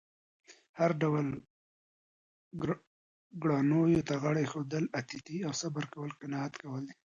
هر ډول ګرانو ته غاړه اېښودل، اتیتې او صبر کول، قناعت کول